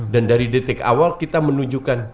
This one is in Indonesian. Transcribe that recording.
dan dari detik awal kita menunjukkan